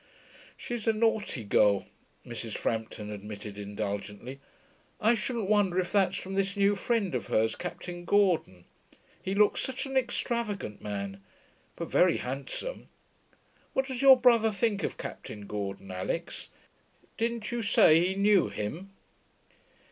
'She's a naughty girl,' Mrs. Frampton admitted indulgently. 'I shouldn't wonder if that's from this new friend of hers, Captain Gordon. He looks such an extravagant man. But very handsome.... What does your brother think of Captain Gordon, Alix? Didn't you say he knew him?'